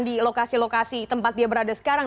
di lokasi lokasi tempat dia berada sekarang